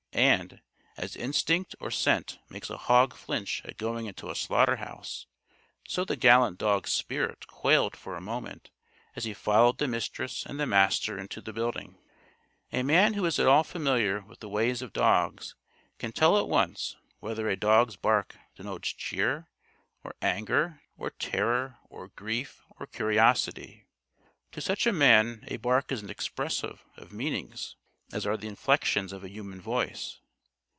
And, as instinct or scent makes a hog flinch at going into a slaughterhouse, so the gallant dog's spirit quailed for a moment as he followed the Mistress and the Master into the building. A man who is at all familiar with the ways of dogs can tell at once whether a dog's bark denotes cheer or anger or terror or grief or curiosity. To such a man a bark is as expressive of meanings as are the inflections of a human voice.